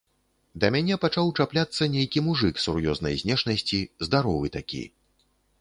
Да мяне пачаў чапляцца нейкі мужык сур'ёзнай знешнасці, здаровы такі.